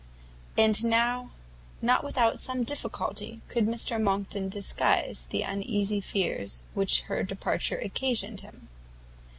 And now not without some difficulty could Mr Monckton disguise the uneasy fears which her departure occasioned him.